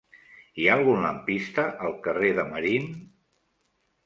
Hi ha algun lampista al carrer de Marín?